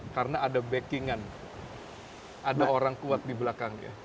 karena ada backing an ada orang kuat di belakangnya